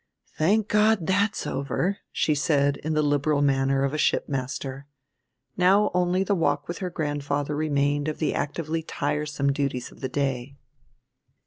"Thank God that's over," she said in the liberal manner of a shipmaster. Now only the walk with her grandfather remained of the actively tiresome duties of the day.